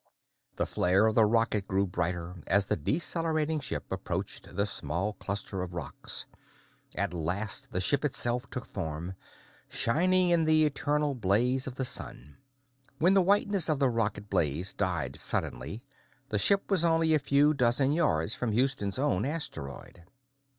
The flare of the rocket grew brighter as the decelerating ship approached the small cluster of rocks. At last the ship itself took form, shining in the eternal blaze of the sun. When the whiteness of the rocket blaze died suddenly, the ship was only a few dozen yards from Houston's own asteroid.